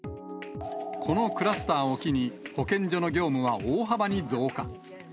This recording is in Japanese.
このクラスターを機に、保健所の業務は大幅に増加。